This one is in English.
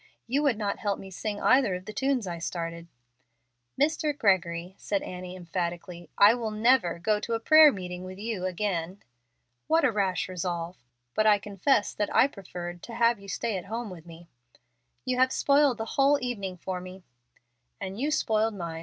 You would not help me sing either of the tunes I started." "Mr. Gregory," said Annie, emphatically, "I will never go to a prayer meeting with you again." "What a rash resolve! But I confess that I preferred to have you stay at home with me." "You have spoiled the whole evening for me." "And you spoiled mine.